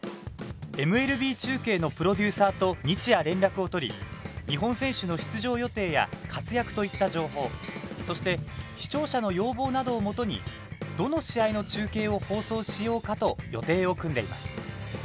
ＭＬＢ中継のプロデューサーと日夜連絡を取り、日本選手の出場予定や活躍といった情報そして視聴者の要望などをもとにどの試合の中継を放送しようかと予定を組んでいます。